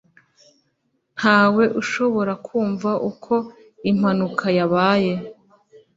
ntawe ushobora kumva uko impanuka yabaye.